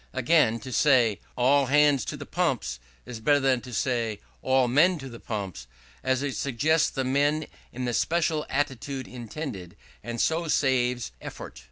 Again, to say, "All hands to the pumps," is better than to say, "All men to the pumps," as it suggests the men in the special attitude intended, and so saves effort.